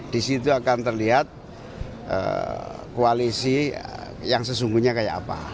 di situ akan terlihat koalisi yang sesungguhnya kayak apa